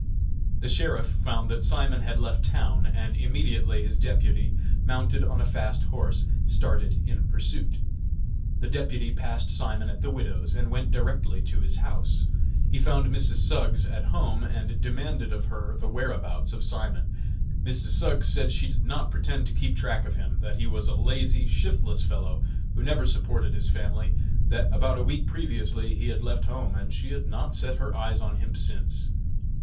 The Sheriff found that Simon had left town, and immediately his deputy, mounted on a fast horse, started in pursuit. The deputy passed Simon at the widow's, and went directly to his house. He found Mrs. Suggs at home, and demanded of her the whereabouts of Simon. Mrs. Suggs said she did not pretend to keep track of him; that he was a lazy, shiftless fellow, who never supported his family; that about a week previously he had left home, and she had not set her eyes on him since.